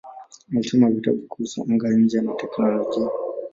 Alisoma vitabu kuhusu anga-nje na teknolojia.